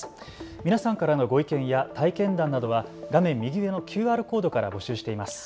皆さんからのご意見や体験談などは画面右上のＱＲコードから募集しています。